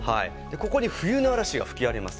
ここに冬の嵐が吹き荒れます。